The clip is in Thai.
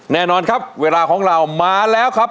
แน่นอนครับเวลาของเรามาแล้วครับ